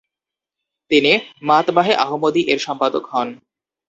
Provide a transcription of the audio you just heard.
তিনি মাতবাহে আহমদি এর সম্পাদক হন।